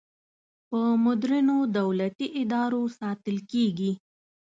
په مدرنو دولتي ادارو ساتل کیږي.